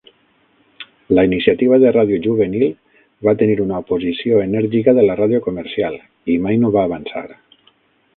La iniciativa de ràdio juvenil va tenir una oposició enèrgica de la ràdio comercial i mai no va avançar.